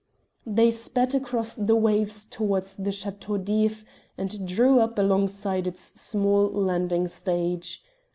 They sped across the waves towards the Chateau d'If, and drew up alongside its small landing stage.